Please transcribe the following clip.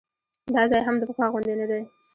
دا ځای هم د پخوا غوندې نه دی.